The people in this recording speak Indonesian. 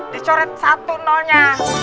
dicoret satu nolnya